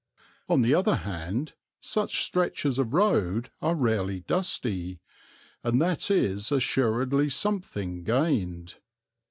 On the other hand such stretches of road are rarely dusty, and that is assuredly something gained.